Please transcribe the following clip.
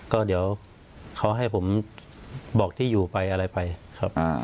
ก็เดี๋ยวเขาให้ผมบอกที่อยู่ไปอะไรไปครับ